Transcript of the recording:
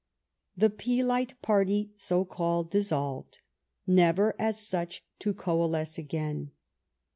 The Peelite party, so called, dissolved, never, as such, to co alesce again.